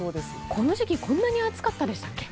この時期、こんなに暑かったでしたっけ？